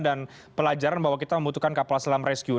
dan pelajaran bahwa kita membutuhkan kapal selam rescue